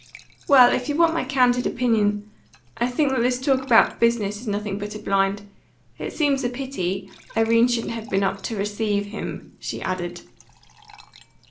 "Well, if you want my candid opinion, I think this talk about business is nothing but a blind. It seems a pity Irene shouldn't have been up to receive him," she added.